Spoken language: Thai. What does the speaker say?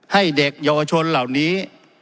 ให้เด็กเยาวชนเหล่านี้